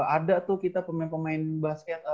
ada tuh kita pemain pemain basket